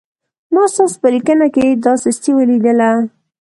ما ستاسو په لیکنه کې دا سستي ولیدله.